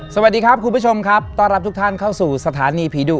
สวัสดีครับคุณผู้ชมครับต้อนรับทุกท่านเข้าสู่สถานีผีดุ